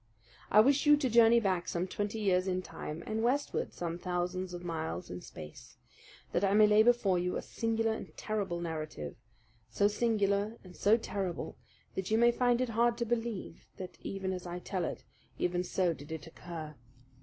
I wish you to journey back some twenty years in time, and westward some thousands of miles in space, that I may lay before you a singular and terrible narrative so singular and so terrible that you may find it hard to believe that even as I tell it, even so did it occur.